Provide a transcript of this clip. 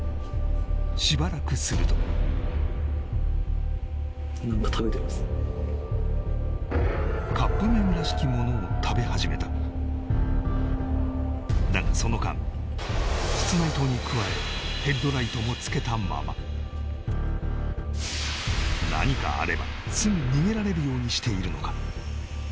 しばらくするとカップ麺らしきものを食べ始めただがその間室内灯に加えヘッドライトもつけたまま何かあればすぐ逃げられるようにしているのか？